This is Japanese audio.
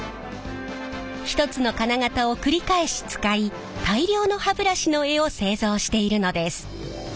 １つの金型を繰り返し使い大量の歯ブラシの柄を製造しているのです。